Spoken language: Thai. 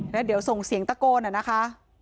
แล้วเดี๋ยวส่งเสียงตะโกนนะคะ